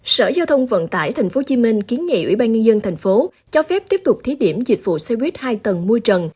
sở giao thông vận tải tp hcm kiến nghị ủy ban nhân dân tp hcm cho phép tiếp tục thí điểm dịch vụ xe buýt hai tầng môi trần